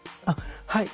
はい。